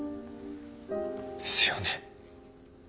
ですよね。